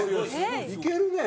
いけるね。